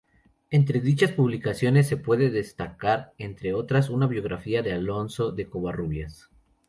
Entre dichas publicaciones, se puede destacar, entre otras, una biografía de Alonso de Covarrubias.